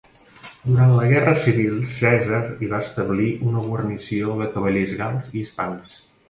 Durant la guerra civil Cèsar hi va establir una guarnició de cavallers gals i hispans.